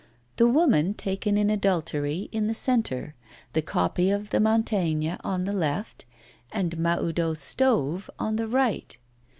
The 'Woman taken in Adultery' in the centre, the copy of the Mantegna on the left, and Mahoudeau's stove on the right.